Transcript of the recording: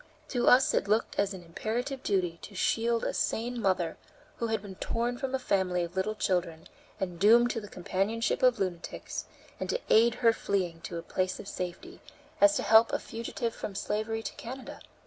To us it looked as imperative a duty to shield a sane mother, who had been torn from a family of little children and doomed to the companionship of lunatics, and to aid her in fleeing to a place of safety, as to help a fugitive from slavery to Canada.